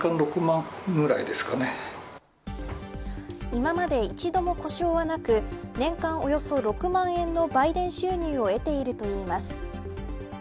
今まで一度も故障はなく年間およそ６万円の売電収入を得ているといいます。